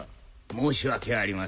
申し訳ありません。